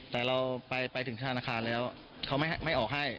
แต่เราไปถึงธนาคารแล้วเขาไม่ออกให้